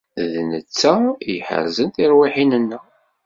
D netta i iḥerzen tirwiḥin-nneɣ.